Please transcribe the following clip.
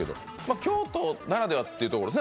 京都ならではということですね。